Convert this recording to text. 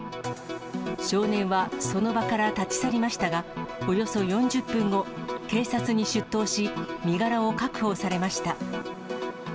少年はその場から立ち去りましたが、およそ４０分後、警察に出頭し、身柄を確保されました。